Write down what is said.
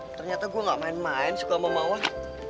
ternyata gue gak main main suka sama mawar